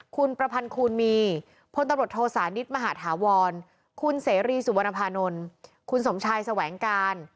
คุณประพันธ์คูณมีพลตำรวจโทสานิทมหาธาวรคุณเสรีสุวรรณภานนท์คุณสมชายแสวงการ